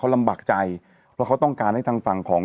ลำบากใจเพราะเขาต้องการให้ทางฝั่งของ